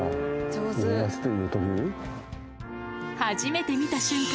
初めて見た瞬間